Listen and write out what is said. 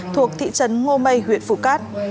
thuộc thị trấn ngô mây huyện phù cát